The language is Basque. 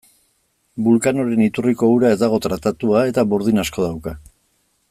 Vulcanoren iturriko ura ez dago tratatuta, eta burdin asko dauka.